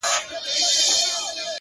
زه په دې افتادګۍ کي لوی ګَړنګ یم ـ